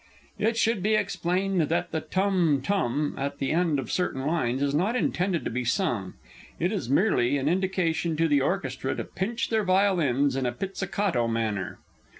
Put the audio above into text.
It should be explained that the "tum tum" at the end of certain lines is not intended to be sung it is merely an indication to the orchestra to pinch their violins in a pizzicato manner.